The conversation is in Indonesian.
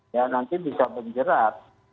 ya nanti bisa berjerat